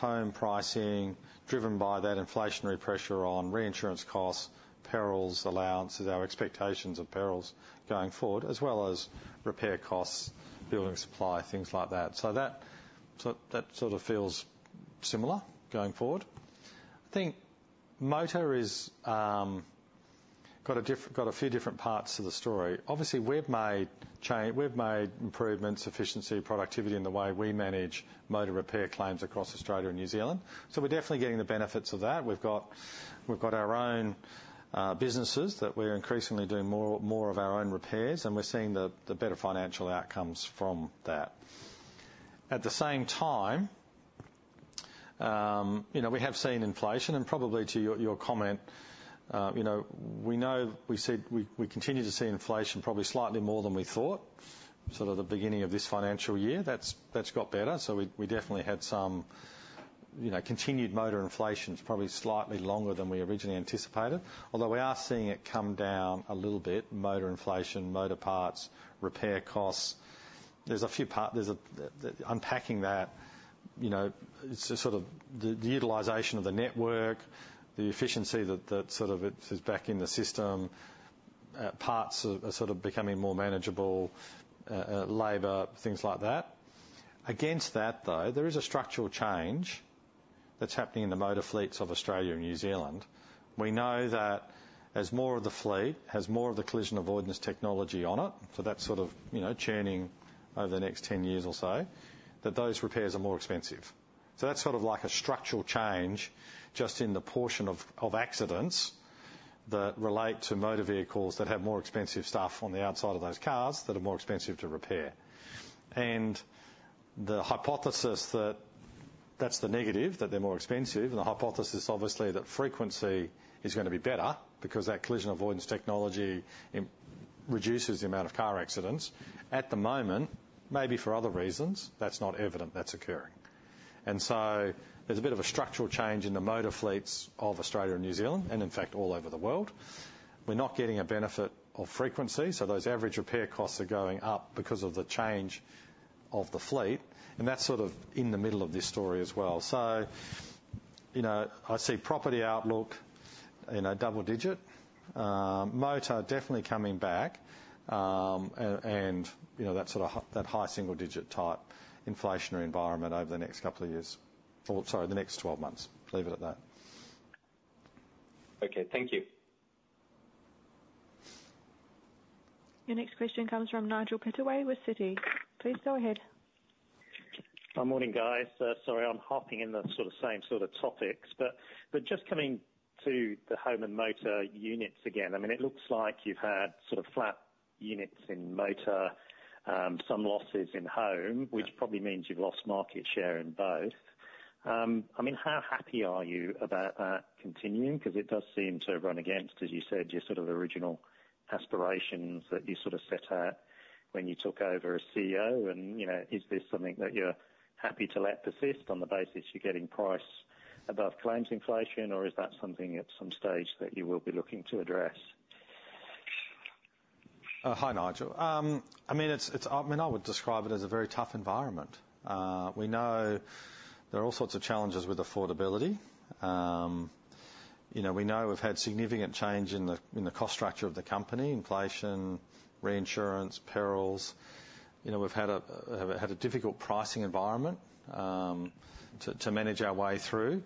home pricing, driven by that inflationary pressure on reinsurance costs, perils, allowances, our expectations of perils going forward, as well as repair costs, building supply, things like that. So that, so that sort of feels similar going forward. I think motor is, got a few different parts to the story. Obviously, we've made change, we've made improvements, efficiency, productivity in the way we manage motor repair claims across Australia and New Zealand, so we're definitely getting the benefits of that. We've got, we've got our own businesses that we're increasingly doing more, more of our own repairs, and we're seeing the better financial outcomes from that. At the same time, you know, we have seen inflation, and probably to your comment, you know, we know we said we continue to see inflation probably slightly more than we thought, sort of the beginning of this financial year. That's got better, so we definitely had some, you know, continued motor inflation. It's probably slightly longer than we originally anticipated, although we are seeing it come down a little bit, motor inflation, motor parts, repair costs. There's unpacking that, you know, it's just sort of the utilization of the network, the efficiency that sort of it is back in the system, parts are sort of becoming more manageable, labor, things like that. Against that, though, there is a structural change that's happening in the motor fleets of Australia and New Zealand. We know that as more of the fleet has more of the collision avoidance technology on it, so that's sort of, you know, churning over the next 10 years or so, that those repairs are more expensive. So that's sort of like a structural change just in the portion of accidents that relate to motor vehicles that have more expensive stuff on the outside of those cars that are more expensive to repair. The hypothesis that that's the negative, that they're more expensive, and the hypothesis, obviously, that frequency is going to be better because that collision avoidance technology reduces the amount of car accidents. At the moment, maybe for other reasons, that's not evident that's occurring. So there's a bit of a structural change in the motor fleets of Australia and New Zealand, and in fact, all over the world. We're not getting a benefit of frequency, so those average repair costs are going up because of the change of the fleet, and that's sort of in the middle of this story as well. So, you know, I see property outlook in a double digit, motor definitely coming back, and, you know, that sort of that high single digit type inflationary environment over the next couple of years, or sorry, the next 12 months. Leave it at that. Okay, thank you. Your next question comes from Nigel Pittaway with Citi. Please go ahead. Hi, morning, guys. Sorry, I'm hopping in the sort of same sort of topics, but, but just coming to the home and motor units again, I mean, it looks like you've had sort of flat units in motor, some losses in home, which probably means you've lost market share in both. I mean, how happy are you about that continuing? Because it does seem to run against, as you said, your sort of original aspirations that you sort of set out when you took over as CEO and, you know, is this something that you're happy to let persist on the basis you're getting price above claims inflation, or is that something at some stage that you will be looking to address? Hi, Nigel. I mean, I would describe it as a very tough environment. We know there are all sorts of challenges with affordability. You know, we know we've had significant change in the cost structure of the company, inflation, reinsurance, perils. You know, we've had a difficult pricing environment to manage our way through.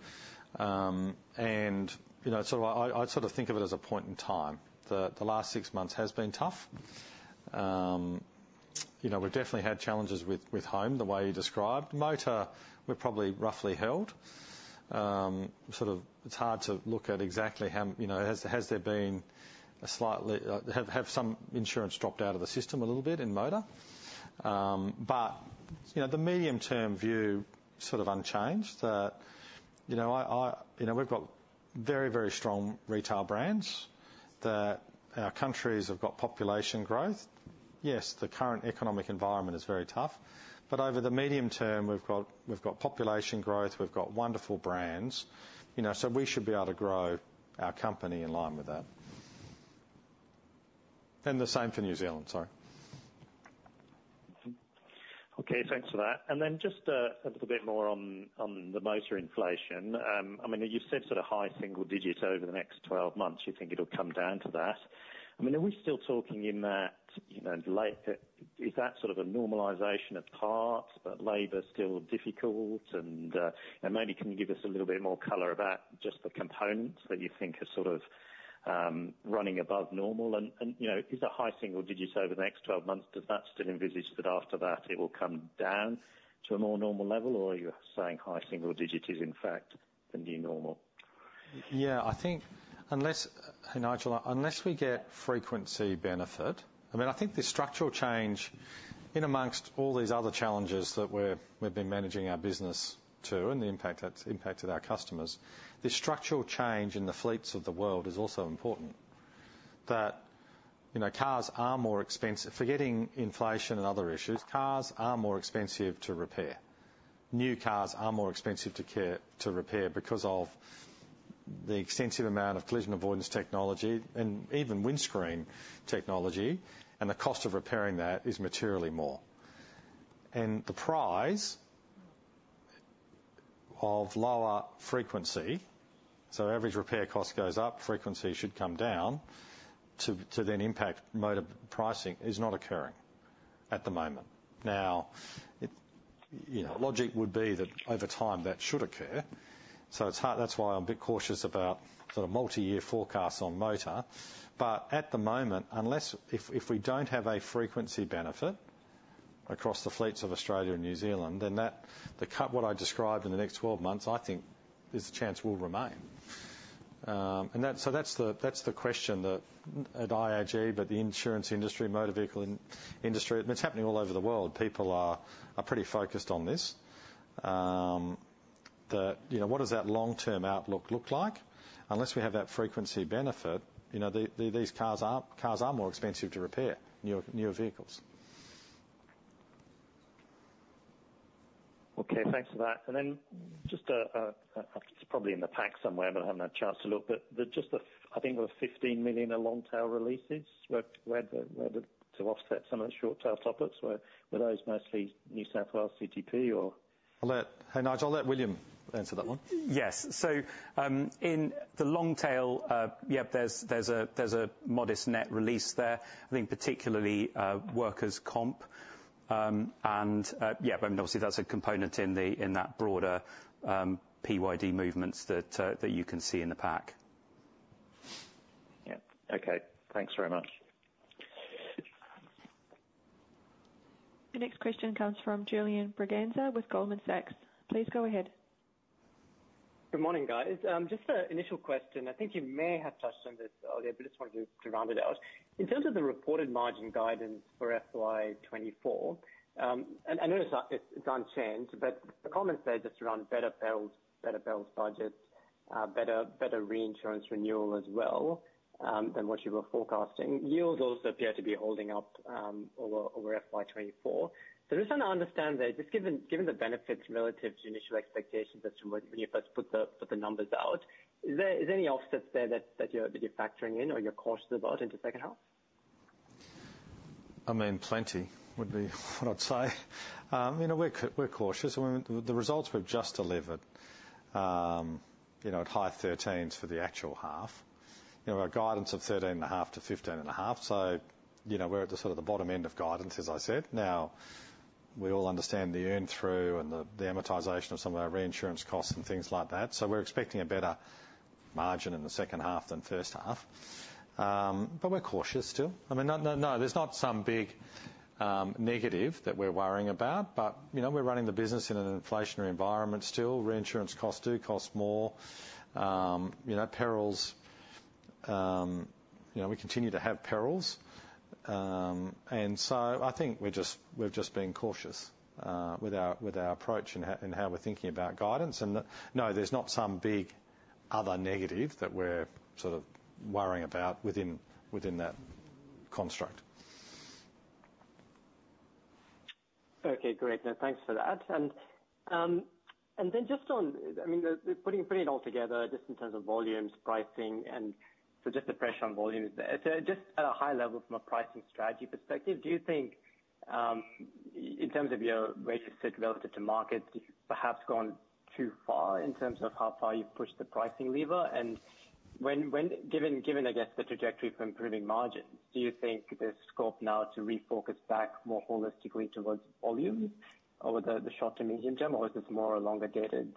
And, you know, sort of, I'd sort of think of it as a point in time. The last six months has been tough. You know, we've definitely had challenges with home, the way you described. Motor, we're probably roughly held. Sort of, it's hard to look at exactly how, you know, has there been a slightly, have some insurance dropped out of the system a little bit in motor? But, you know, the medium-term view sort of unchanged. That, you know, I, You know, we've got very, very strong retail brands, that our countries have got population growth. Yes, the current economic environment is very tough, but over the medium term, we've got, we've got population growth, we've got wonderful brands, you know, so we should be able to grow our company in line with that. And the same for New Zealand, sorry. Okay, thanks for that. And then just, a little bit more on, on the motor inflation. I mean, you've said sort of high single digits over the next 12 months, you think it'll come down to that. I mean, are we still talking in that, you know, like, is that sort of a normalization of parts, but labor is still difficult? And, and maybe can you give us a little bit more color about just the components that you think are sort of, running above normal? And, and, you know, is that high single digits over the next 12 months, does that still envisage that after that, it will come down to a more normal level, or are you saying high single digits is, in fact, the new normal? Yeah, I think unless, Nigel, unless we get frequency benefit. I mean, I think the structural change among all these other challenges that we've been managing our business to, and the impact, that's impacted our customers, the structural change in the fleets of the world is also important. You know, cars are more expensive. Forgetting inflation and other issues, cars are more expensive to repair. New cars are more expensive to repair because of the extensive amount of collision avoidance technology and even windscreen technology, and the cost of repairing that is materially more. And despite lower frequency, so average repair cost goes up, frequency should come down to then impact motor pricing is not occurring at the moment. Now, you know, logic would be that over time, that should occur, so it's hard. That's why I'm a bit cautious about sort of multi-year forecasts on motor. But at the moment, unless. If we don't have a frequency benefit across the fleets of Australia and New Zealand, then that, the cut what I described in the next 12 months, I think there's a chance will remain. And that, so that's the, that's the question that at IAG, but the insurance industry, motor vehicle industry, and it's happening all over the world, people are pretty focused on this. You know, what does that long-term outlook look like? Unless we have that frequency benefit, you know, these cars are more expensive to repair, newer vehicles. Okay, thanks for that. And then just, it's probably in the pack somewhere, but I haven't had a chance to look. But just the, I think it was 15 million of long tail releases, where the to offset some of the short tail topics. Were those mostly New South Wales CTP, or? Hey, Nigel, I'll let William answer that one. Yes. So, in the long tail, yep, there's a modest net release there. I think particularly, workers' comp, and yeah, but obviously, that's a component in that broader PYD movements that you can see in the pack. Yeah. Okay, thanks very much. The next question comes from Julian Braganza with Goldman Sachs. Please go ahead. Good morning, guys. Just an initial question. I think you may have touched on this earlier, but just wanted to round it out. In terms of the reported margin guidance for FY 2024, and I know it's unchanged, but the comments there just around better perils, better perils budgets, better reinsurance renewal as well, than what you were forecasting. Yields also appear to be holding up, over FY 2024. So I just want to understand there, just given the benefits relative to initial expectations as to when you first put the numbers out, is there any offsets there that you're factoring in or you're cautious about into second half? I mean, plenty would be what I'd say. You know, we're cautious. I mean, the results we've just delivered, you know, at high 13s for the actual half. You know, our guidance of 13.5%-15.5%, so, you know, we're at the sort of the bottom end of guidance, as I said. Now, we all understand the earn through and the amortization of some of our reinsurance costs and things like that, so we're expecting a better margin in the second half than first half. But we're cautious still. I mean, no, no, no, there's not some big negative that we're worrying about, but, you know, we're running the business in an inflationary environment still. Reinsurance costs do cost more. You know, perils, you know, we continue to have perils. So I think we're just being cautious with our approach and how we're thinking about guidance. No, there's not some big other negative that we're sort of worrying about within that construct. Okay, great. Now, thanks for that. And then just on, I mean, putting it all together, just in terms of volumes, pricing, and so just the pressure on volumes, so just at a high level from a pricing strategy perspective, do you think, in terms of your way to sit relative to markets, you've perhaps gone too far in terms of how far you've pushed the pricing lever? And when, given, I guess, the trajectory for improving margins, do you think there's scope now to refocus back more holistically towards volume over the short to medium term? Or is this more a longer dated,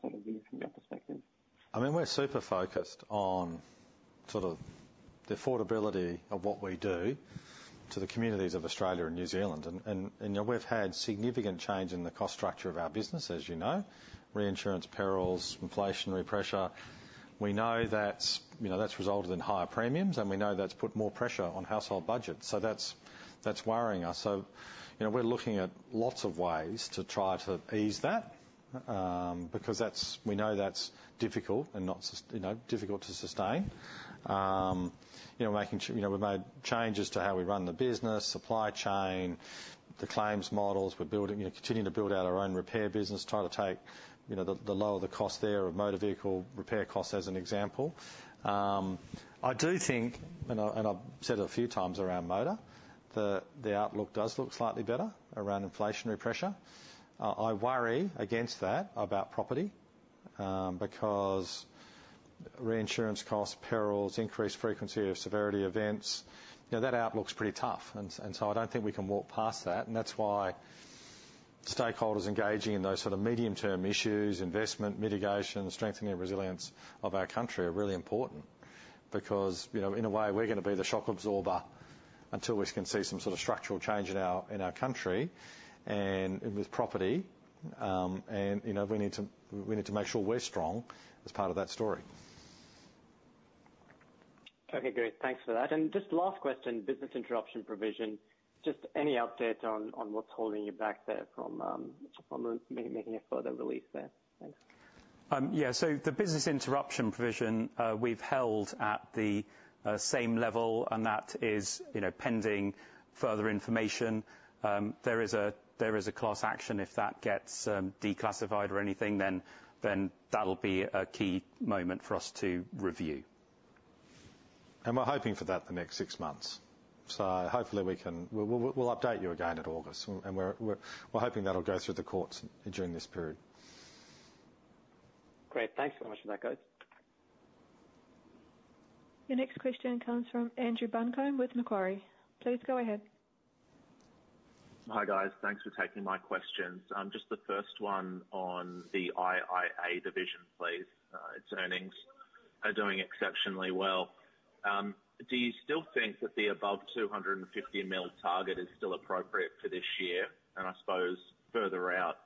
sort of view from your perspective? I mean, we're super focused on sort of the affordability of what we do to the communities of Australia and New Zealand. And you know, we've had significant change in the cost structure of our business, as you know, reinsurance, perils, inflationary pressure. We know that's, you know, that's resulted in higher premiums, and we know that's put more pressure on household budgets, so that's, that's worrying us. So, you know, we're looking at lots of ways to try to ease that, because that's, we know that's difficult and not you know, difficult to sustain. You know, making sure, you know, we've made changes to how we run the business, supply chain, the claims models. We're building, you know, continuing to build out our own repair business, try to take, you know, the lower the cost there of motor vehicle repair costs, as an example. I do think, and I've said it a few times around motor, the outlook does look slightly better around inflationary pressure. I worry against that about property, because reinsurance costs, perils, increased frequency of severity, events, you know, that outlook's pretty tough. And so I don't think we can walk past that, and that's why stakeholders engaging in those sort of medium-term issues, investment, mitigation, strengthening, and resilience of our country are really important. Because, you know, in a way, we're gonna be the shock absorber until we can see some sort of structural change in our, in our country, and with property. And, you know, we need to make sure we're strong as part of that story. Okay, great. Thanks for that. And just last question, business interruption provision, just any update on what's holding you back there from making a further release there? Thanks. Yeah, so the business interruption provision, we've held at the same level, and that is, you know, pending further information. There is a class action. If that gets declassified or anything, then that'll be a key moment for us to review. We're hoping for that the next six months. So hopefully we can. We'll update you again in August, and we're hoping that'll go through the courts during this period. Great. Thanks so much for that, guys. Your next question comes from Andrew Buncombe with Macquarie. Please go ahead. Hi, guys. Thanks for taking my questions. Just the first one on the IIA division, please. Its earnings are doing exceptionally well. Do you still think that the above 250 million target is still appropriate for this year? And I suppose further out,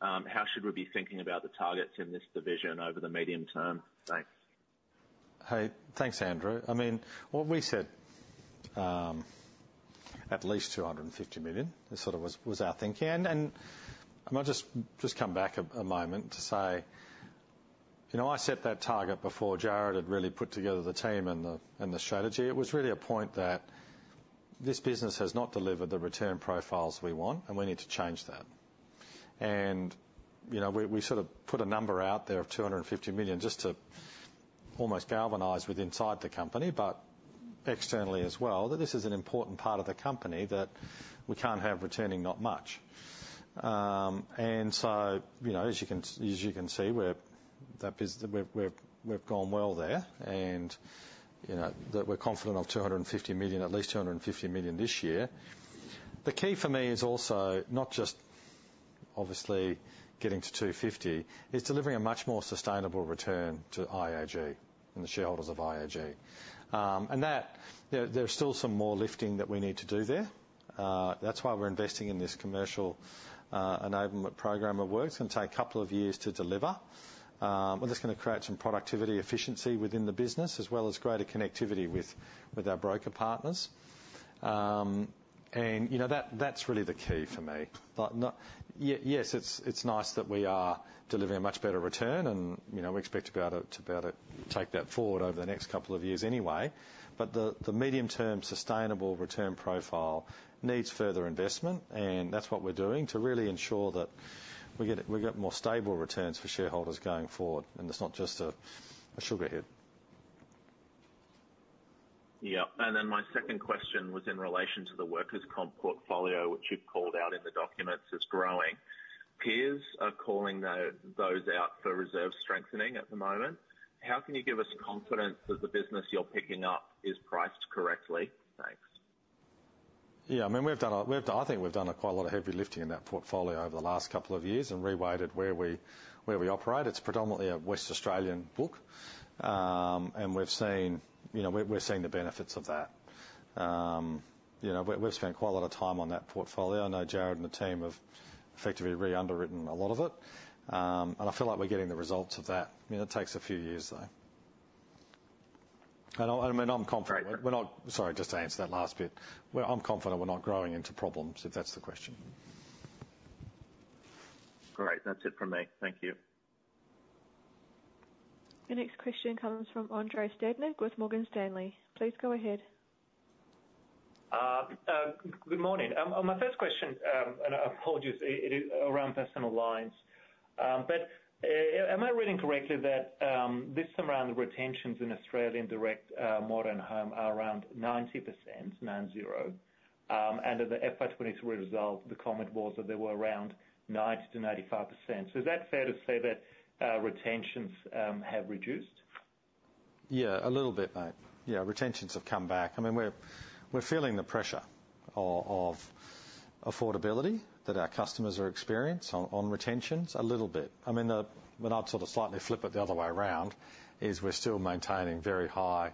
how should we be thinking about the targets in this division over the medium term? Thanks. Hey, thanks, Andreiw. I mean, what we said, at least 250 million, this sort of was our thinking. And I might just come back a moment to say, you know, I set that target before Jarrod had really put together the team and the strategy. It was really a point that this business has not delivered the return profiles we want, and we need to change that. And, you know, we sort of put a number out there of 250 million just to almost galvanize within the company, but externally as well, that this is an important part of the company that we can't have returning not much. And so, you know, as you can see, we've gone well there, and, you know, that we're confident of 250 million, at least 250 million this year. The key for me is also not just obviously getting to 250, it's delivering a much more sustainable return to IAG and the shareholders of IAG. And that, there, there's still some more lifting that we need to do there. That's why we're investing in this commercial enablement program of work. It's gonna take a couple of years to deliver. But that's gonna create some productivity efficiency within the business, as well as greater connectivity with our broker partners. And, you know, that, that's really the key for me. But not, Yes, it's nice that we are delivering a much better return, and, you know, we expect to be able to take that forward over the next couple of years anyway. But the medium-term sustainable return profile needs further investment, and that's what we're doing, to really ensure that we get more stable returns for shareholders going forward, and it's not just a sugar hit. Yeah. And then my second question was in relation to the workers' comp portfolio, which you've called out in the documents as growing. Peers are calling those out for reserve strengthening at the moment. How can you give us confidence that the business you're picking up is priced correctly? Thanks. Yeah, I mean, I think we've done quite a lot of heavy lifting in that portfolio over the last couple of years and reweighted where we operate. It's predominantly a West Australian book. And we've seen, you know, we're seeing the benefits of that. You know, we've spent quite a lot of time on that portfolio. I know Jarrod and the team have effectively re-underwritten a lot of it, and I feel like we're getting the results of that. You know, it takes a few years, though. And I mean, I'm confident we're not- Right. Sorry, just to answer that last bit, we're, I'm confident we're not growing into problems, if that's the question. Great, that's it from me. Thank you. The next question comes from Andrei Stadnik with Morgan Stanley. Please go ahead. Good morning. My first question, and I apologize, it is around personal lines. But am I reading correctly that this time around, the retentions in Australian direct motor and home are around 90%, 90? And that the FY 2023 result, the comment was that they were around 90%-95%. So is that fair to say that retentions have reduced? Yeah, a little bit, mate. Yeah, retentions have come back. I mean, we're feeling the pressure of affordability that our customers are experiencing on retentions a little bit. I mean, but I'd sort of slightly flip it the other way around, is we're still maintaining very high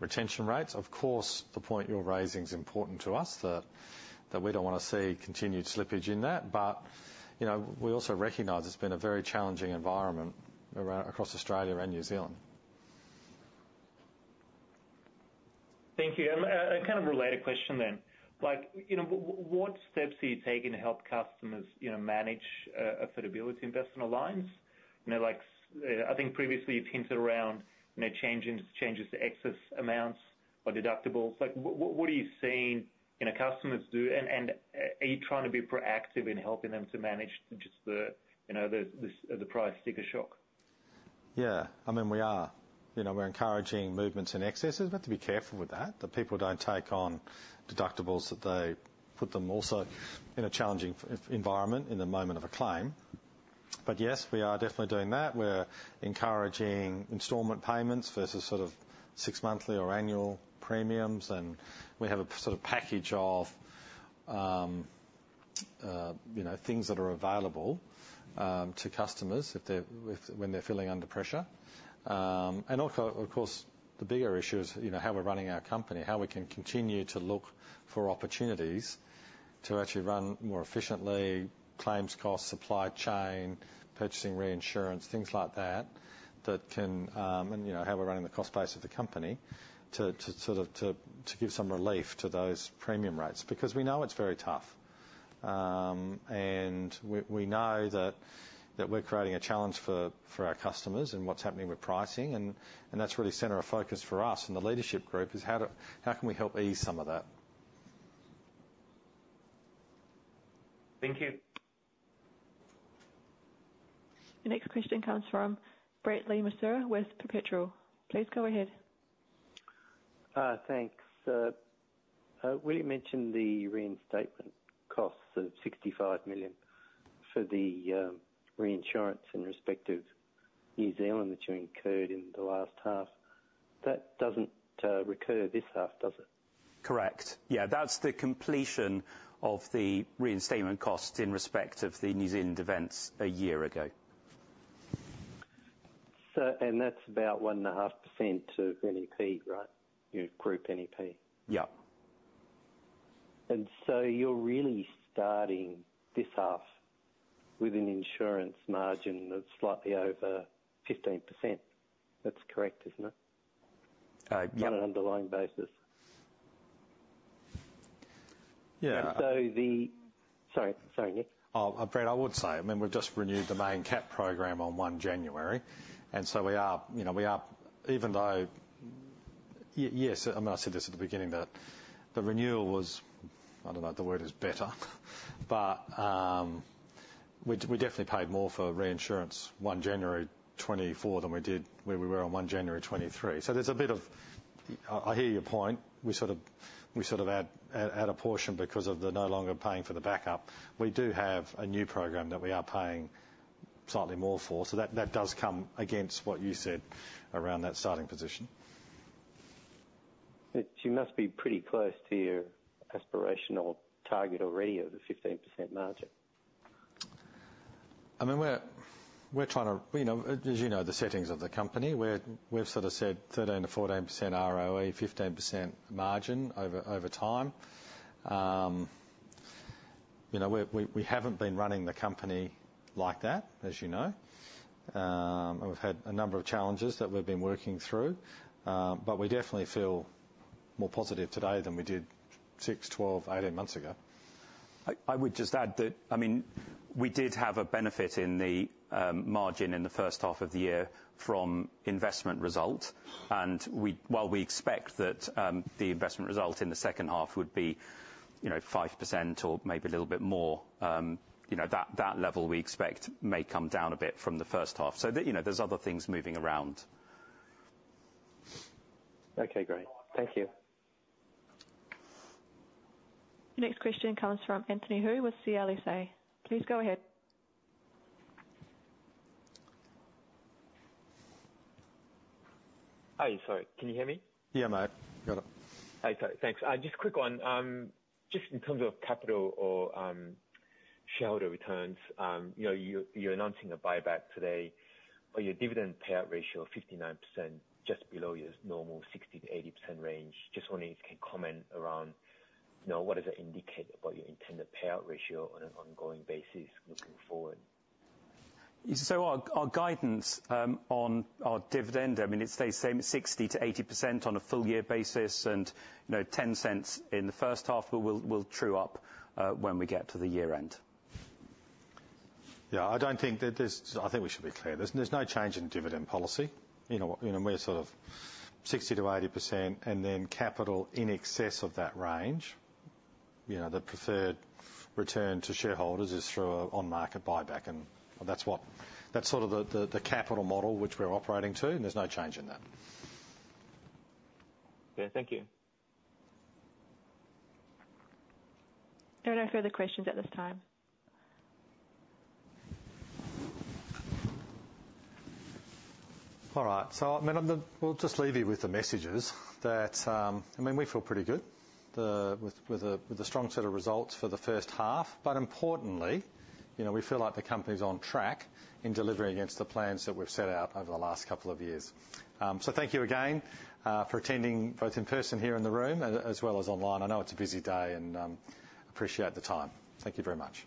retention rates. Of course, the point you're raising is important to us, that we don't wanna see continued slippage in that. But, you know, we also recognize it's been a very challenging environment around, across Australia and New Zealand. Thank you. A kind of related question. Like, you know, what steps are you taking to help customers, you know, manage affordability in personal lines? You know, like, I think previously you've hinted around, you know, changes to excess amounts or deductibles. Like, what are you seeing, you know, customers do? And are you trying to be proactive in helping them to manage just the, you know, the price sticker shock? Yeah, I mean, we are. You know, we're encouraging movements in excesses, but to be careful with that, that people don't take on deductibles, that they put them also in a challenging financial environment in the moment of a claim. But yes, we are definitely doing that. We're encouraging installment payments versus sort of six monthly or annual premiums, and we have a sort of package of, you know, things that are available, to customers if they're, when they're feeling under pressure. And also, of course, the bigger issue is, you know, how we're running our company, how we can continue to look for opportunities to actually run more efficiently, claims costs, supply chain, purchasing reinsurance, things like that, that can You know how we're running the cost base of the company to sort of give some relief to those premium rates. Because we know it's very tough. And we know that we're creating a challenge for our customers and what's happening with pricing, and that's really center of focus for us and the leadership group: how can we help ease some of that? Thank you. The next question comes from Brett Le Mesurier with Perpetual. Please go ahead. Thanks. William mentioned the reinstatement costs of 65 million for the reinsurance in respect of New Zealand that you incurred in the last half. That doesn't recur this half, does it? Correct. Yeah, that's the completion of the reinstatement cost in respect of the New Zealand events a year ago. That's about 1.5% of NEP, right? You know, group NEP. Yeah. And so you're really starting this half with an insurance margin of slightly over 15%. That's correct, isn't it? Uh, yeah. On an underlying basis. Yeah. Sorry, sorry, Nick. Oh, Brett, I would say, I mean, we've just renewed the main cap program on 1 January, and so we are, you know, we are even though, yes, I mean, I said this at the beginning, that the renewal was, I don't know, the word is better, but we definitely paid more for reinsurance 1 January 2024 than we did, where we were on 1 January 2023. So there's a bit of, I hear your point. We sort of add a portion because of the no longer paying for the backup. We do have a new program that we are paying slightly more for, so that does come against what you said around that starting position. You must be pretty close to your aspirational target already of the 15% margin. I mean, we're trying to, you know, as you know, the settings of the company, we've sort of said 13%-14% ROE, 15% margin over time. You know, we haven't been running the company like that, as you know. And we've had a number of challenges that we've been working through, but we definitely feel more positive today than we did six, 12, 18 months ago. I would just add that, I mean, we did have a benefit in the margin in the first half of the year from investment result, and we, while we expect that, the investment result in the second half would be, you know, 5% or maybe a little bit more, you know, that, that level we expect may come down a bit from the first half. So that, you know, there's other things moving around. Okay, great. Thank you. The next question comes from Anthony Hoo with CLSA. Please go ahead. Hi, sorry, can you hear me? Yeah, mate. Got it. Hey, so thanks. Just quick one. Just in terms of capital or shareholder returns, you know, you're, you're announcing a buyback today, but your dividend payout ratio of 59%, just below your normal 60%-80% range. Just wondering if you can comment around, you know, what does it indicate about your intended payout ratio on an ongoing basis looking forward? Our guidance on our dividend, I mean, it stays same, 60%-80% on a full year basis and, you know, 0.10 in the first half. We'll true up when we get to the year end. Yeah, I don't think that there's. I think we should be clear. There's, there's no change in dividend policy. You know, you know, we're sort of 60%-80% and then capital in excess of that range. You know, the preferred return to shareholders is through a on-market buyback, and that's what. That's sort of the, the, the capital model which we're operating to, and there's no change in that. Yeah. Thank you. There are no further questions at this time. All right. So, I mean, we'll just leave you with the messages that, I mean, we feel pretty good with the strong set of results for the first half. But importantly, you know, we feel like the company's on track in delivering against the plans that we've set out over the last couple of years. So thank you again for attending both in person here in the room, as well as online. I know it's a busy day and appreciate the time. Thank you very much.